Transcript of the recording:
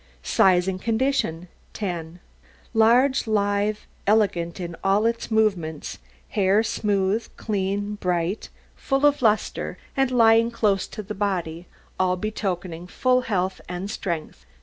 SIZE AND CONDITION 10 Large, lithe, elegant in all its movements; hair smooth, clean, bright, full of lustre, and lying close to the body, all betokening full health and strength.